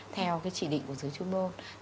theo cái chỉ định của giới chung môn